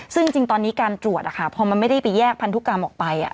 ซึ่งจริงตอนนี้การตรวจพอมันไม่ได้ไปแยกพันธุกรรมออกไป